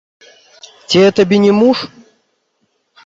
Ці я табе не муж?